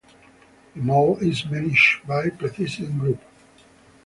The mall is managed by Precision Group.